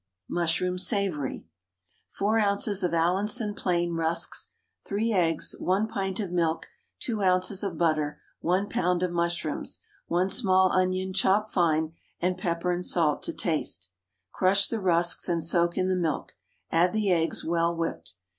MUSHROOM SAVOURY. 4 ounces of Allinson plain rusks 3 eggs, 1 pint of milk, 2 oz. of butter, 1 lb. of mushrooms, 1 small onion chopped fine, and pepper and salt to taste. Crush the rusks and soak in the milk; add the eggs well whipped.